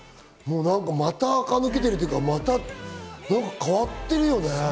また、あか抜けてるというか、変わってるよね。